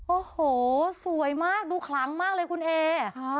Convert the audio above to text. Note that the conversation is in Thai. โอ้โหสวยมากดูคลังมากเลยคุณเอ